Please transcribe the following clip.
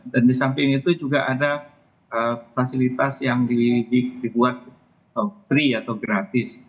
dan di samping itu juga ada fasilitas yang dibuat free atau gratis